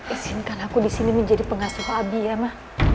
isinkan aku disini menjadi pengasuh abi ya ma